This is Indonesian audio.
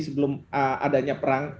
sebelum adanya perang